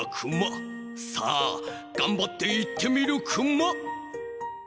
さあがんばっていってみるクマ！